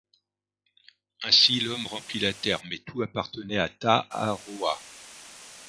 Ainsi l'homme remplit la Terre, mais tout appartenait à Ta'aroa.